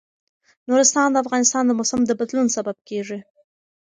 نورستان د افغانستان د موسم د بدلون سبب کېږي.